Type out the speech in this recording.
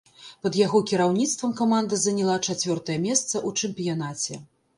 Пад яго кіраўніцтвам каманда заняла чацвёртае месца ў чэмпіянаце.